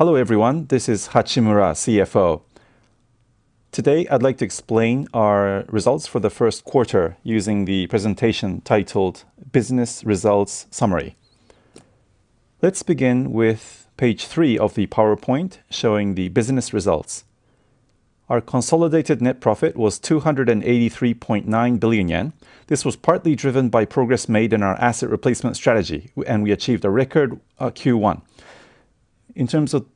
Hello everyone, this is Tsuyoshi Hachimura, CFO. Today I'd like to explain our results for the first quarter using the presentation titled Business Results Summary. Let's begin with page three of the PowerPoint showing the business results. Our consolidated net profit was 283.9 billion yen. This was partly driven by progress made in our asset replacement strategies, and we achieved a record Q1 in terms of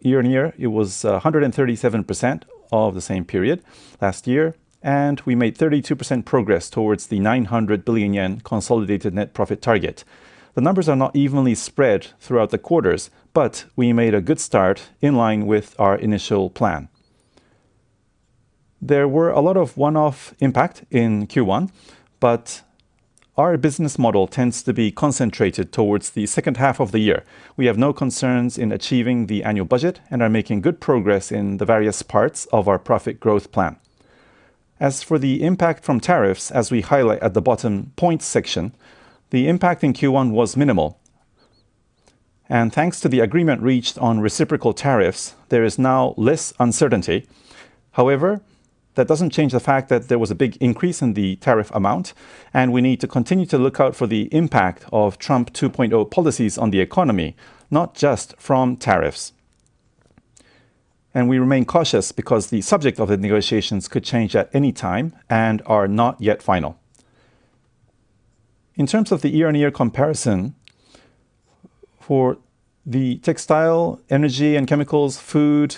year on year. It was 137% of the same period last year, and we made 32% progress towards the 900 billion yen consolidated net profit target. The numbers are not evenly spread throughout the quarters, but we made a good start in line with our initial plan. There were a lot of one-off impacts in Q1, but our business model tends to be concentrated towards the second half of the year. We have no concerns in achieving the annual budget and are making good progress in the various parts of our profit growth plan. As for the impact from tariffs, as we highlight at the bottom points section, the impact in Q1 was minimal, and thanks to the agreement reached on reciprocal tariffs, there is now less uncertainty. However, that doesn't change the fact that there was a big increase in the tariff amount, and we need to continue to look out for the impact of U.S. (Trump 2.0) policies on the economy, not just from tariffs, and we remain cautious because the subject of the negotiations could change at any time and are not yet final. In terms of the year on year comparison for the textile, energy and chemicals, food,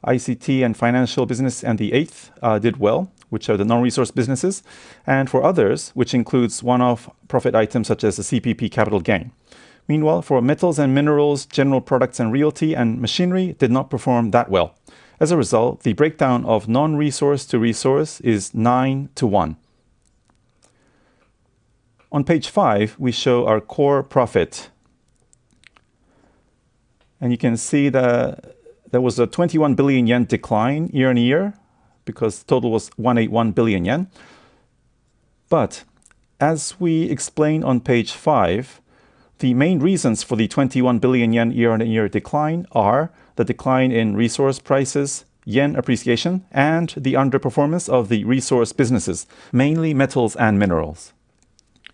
information and communications technology, and finance businesses, and the eighth did well, which are the non-resource businesses, and for others, which includes one-off profit items such as the CPP capital gain. Meanwhile, for metals and minerals, general merchandise and realty, and machinery did not perform that well. As a result, the breakdown of non-resource to resource is nine to one. On page five, we show our core profit, and you can see that there was a 21 billion yen decline year on year because total was 181 billion yen. As we explained on page five, the main reasons for the 21 billion yen year on year decline are the decline in resource prices, yen appreciation, and the underperformance of the resource businesses, mainly metals and minerals.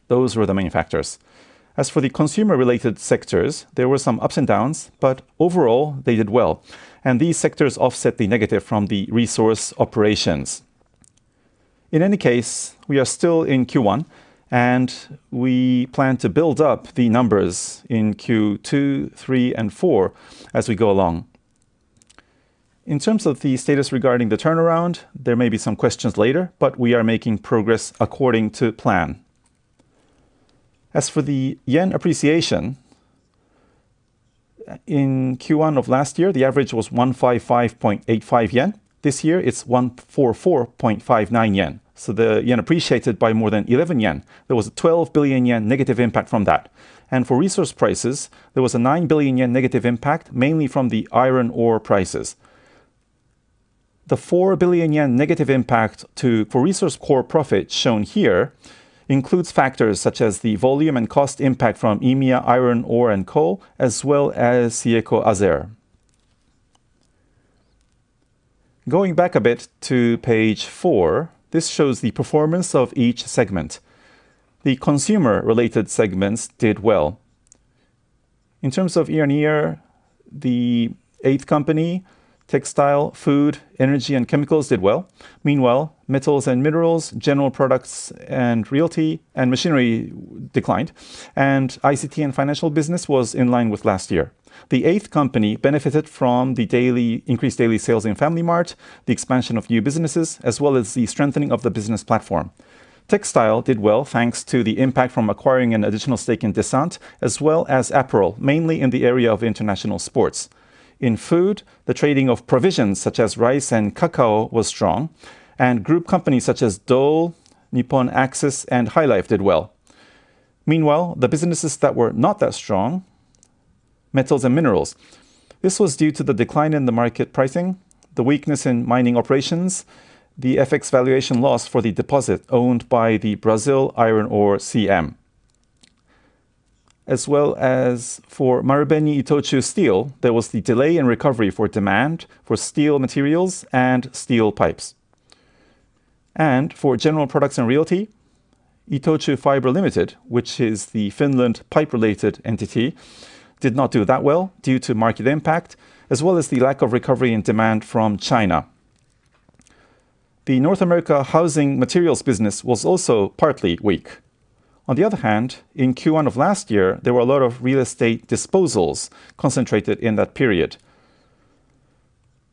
Those were the main factors. As for the consumer-related sectors, there were some ups and downs, but overall they did well, and these sectors offset the negative from the resource operations. In any case, we are still in Q1 and we plan to build up the numbers in Q2, 3, and 4 as we go along. In terms of the status regarding the turnaround, there may be some questions later, but we are making progress according to plan. As for the yen appreciation in Q1 of last year, the average was 155.85 yen, this year it's 144.59 yen. The yen appreciated by more than 11 yen. There was a 12 billion yen negative impact from that, and for resource prices there was a 9 billion yen negative impact mainly from the iron ore prices. The 4 billion yen negative impact for resource core profit shown here includes factors such as the volume and cost impact from EMEA, iron ore and coal, as well as SIECO Azer. Going back a bit to page 4, this shows the performance of each segment. The consumer-related segments did well in terms of year on year. The eighth company, textile, food, energy, and chemicals did well. Meanwhile, metals and minerals, general products and realty, and machinery declined, and ICT and financial business was in line with last year. The eighth company benefited from the increased daily sales in FamilyMart, the expansion of new businesses, as well as the strengthening of the business platform. Textile did well thanks to the impact from acquiring an additional stake in Descente as well as apparel, mainly in the area of international sports. In food, the trading of provisions such as rice and cacao was strong, and group companies such as Dole, Nippon Access, and High Life did well. Meanwhile, the businesses that were not that strong were metals and minerals. This was due to the decline in the market pricing, the weakness in mining operations, the FX valuation loss for the deposit owned by the Brazil Iron Ore CM, as well as for Marubeni Itochu Steel there was the delay in recovery for demand for steel materials and steel pipes, and for general products and realty. Itochu Fibre Ltd., which is the Finland pipe-related entity, did not do that well due to market impact as well as the lack of recovery in demand from China. The North America housing materials business was also partly weak. On the other hand, in Q1 of last year there were a lot of real estate disposals concentrated in that period,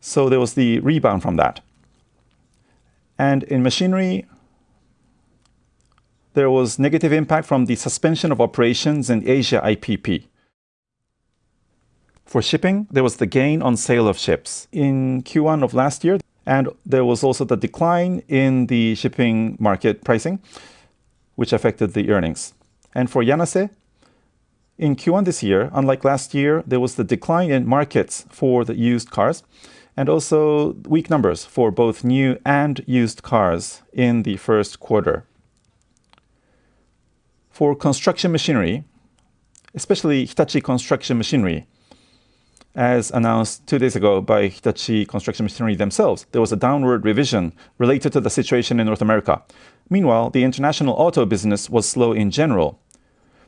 so there was the rebound from that. In machinery, there was negative impact from the suspension of operations in Asia IPP. For shipping, there was the gain on sale of ships in Q1 of last year, and there was also the decline in the shipping market pricing which affected the earnings. For Yanase in Q1 this year, unlike last year, there was the decline in markets for the used cars and also weak numbers for both new and used cars in the first quarter. For construction machinery, especially Hitachi Construction Machinery as announced two days ago by Hitachi Construction Machinery themselves, there was a downward revision related to the situation in North America. Meanwhile, the international auto business was slow. In general,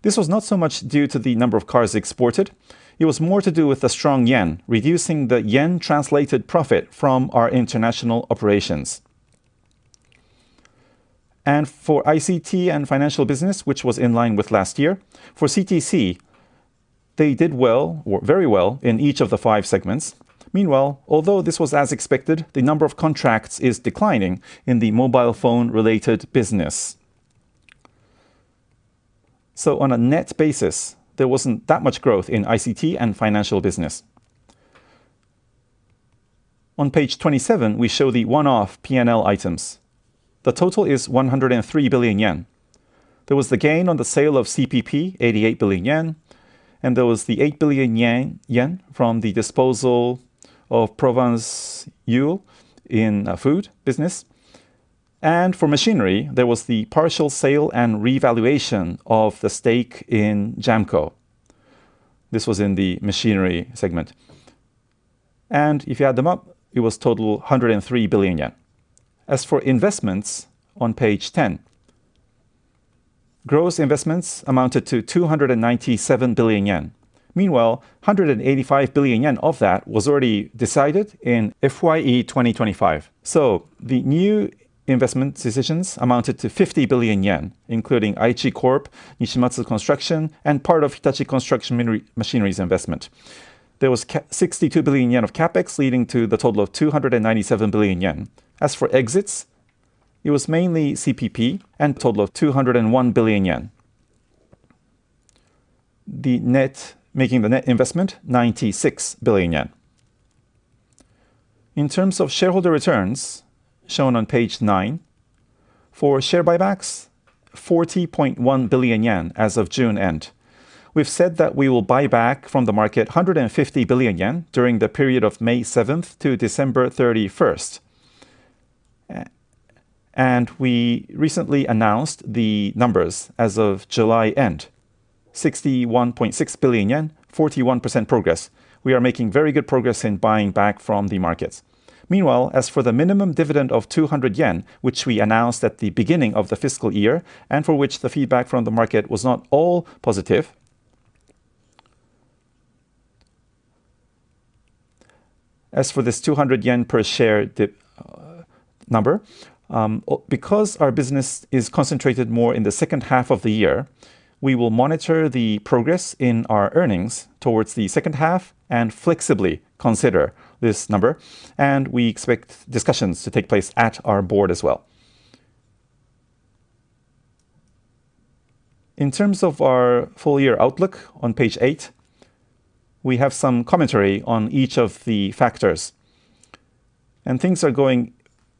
this was not so much due to the number of cars exported. It was more to do with the strong yen, reducing the yen-translated profit from our international operations. For ICT and financial business, which was in line with last year for CTC, they did well, very well in each of the five segments. Although this was as expected, the number of contracts is declining in the mobile phone related business. On a net basis there wasn't that much growth in ICT and financial business. On page 27 we show the one-off PL items. The total is 103 billion yen. There was the gain on the sale of CPP, 88 billion yen. There was the 8 billion yen from the disposal of Province Yule in food business and for machinery, there was the partial sale and revaluation of the stake in Jamco. This was in the machinery segment and if you add them up, it was total 103 billion yen. As for investments on page 10, gross investments amounted to 297 billion yen. 185 billion yen of that was already decided in FYE 2025, so the new investment decisions amounted to 50 billion yen including Aichi Corporation, Nishimatsu Construction, and part of Hitachi Construction Machinery investment. There was 62 billion yen of CapEx leading to the total of 297 billion yen. As for exits, it was mainly CPP and total of 201 billion yen, making the net investment 96 billion yen. In terms of shareholder returns shown on page nine for share buybacks, 40.1 billion yen as of June end, we've said that we will buy back from the market 150 billion yen during the period of May 7 to December 31 and we recently announced the numbers as of July end, 61.6 billion yen. 41% progress. We are making very good progress in buying back from the markets. As for the minimum dividend of 200 yen, which we announced at the beginning of the fiscal year and for which the feedback from the market was not all positive. As for this 200 yen per share number, because our business is concentrated more in the second half of the year, we will monitor the progress in our earnings towards the second half and flexibly consider this number, and we expect discussions to take place at our board as well. In terms of our full year outlook on page eight, we have some commentary on each of the factors, and things are going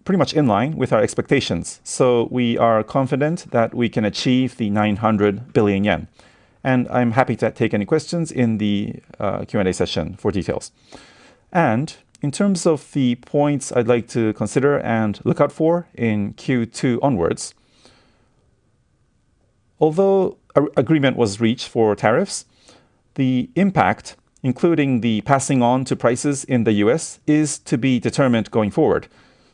pretty much in line with our expectations. We are confident that we can achieve the 900 billion yen, and I'm happy to take any questions in the Q&A session. For details and in terms of the points I'd like to consider and look out for in Q2 onwards, although agreement was reached for tariffs, the impact including the passing on to prices in the U.S. is to be determined going forward.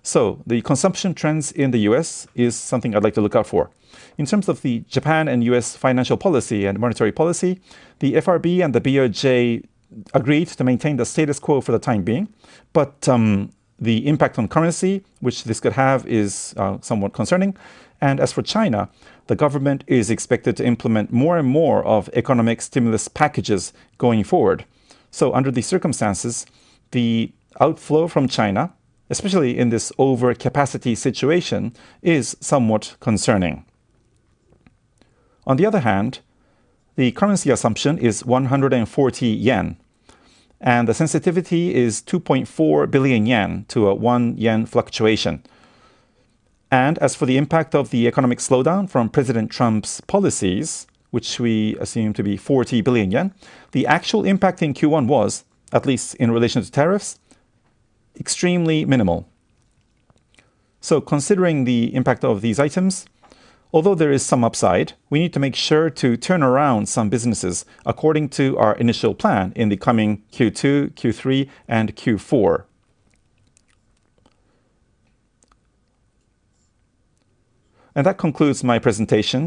The consumption trends in the U.S. is something I'd like to look out for in terms of the Japan and U.S. financial policy and monetary policy. The FRB and the Bank of Japan agreed to maintain the status quo for the time being, but the impact on currency which this could have is somewhat concerning. As for China, the government is expected to implement more and more economic stimulus packages going forward. Under these circumstances, the outflow from China, especially in this overcapacity situation, is somewhat concerning. On the other hand, the currency assumption is 140 yen, and the sensitivity is 2.4 billion yen to a 1 yen fluctuation. As for the impact of the economic slowdown from President Trump's policies, which we assume to be 40 billion yen, the actual impact in Q1 was, at least in relation to tariffs, extremely minimal. Considering the impact of these items, although there is some upside, we need to make sure to turn around some businesses according to our initial plan in the coming Q2, Q3, and Q4, and that concludes my presentation.